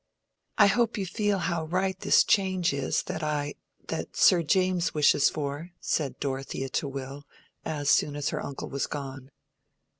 "I hope you feel how right this change is that I—that Sir James wishes for," said Dorothea to Will, as soon as her uncle was gone.